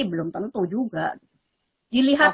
belum tentu juga dilihat